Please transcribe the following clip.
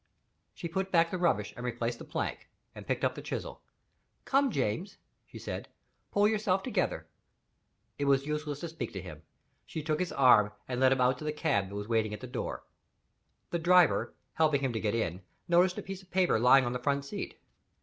She put back the rubbish, and replaced the plank, and picked up the chisel. "Come, James," she said; "pull yourself together." It was useless to speak to him. She took his arm and led him out to the cab that was waiting at the door. The driver, helping him to get in, noticed a piece of paper lying on the front seat.